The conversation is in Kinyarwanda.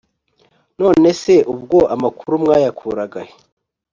none se ubwo amakuru mwayakuraga he?